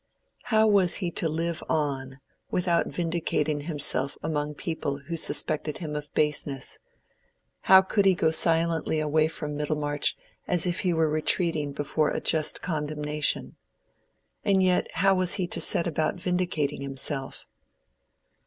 How was he to live on without vindicating himself among people who suspected him of baseness? How could he go silently away from Middlemarch as if he were retreating before a just condemnation? And yet how was he to set about vindicating himself?